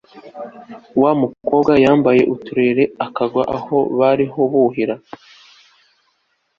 wa mukobwa yambaye uturere, a kagwa aho bariho buhira